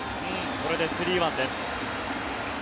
これで３−１です。